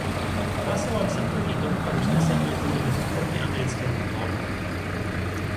Hlasoval jsem proti tomuto usnesení kvůli jeho protiamerickému tónu.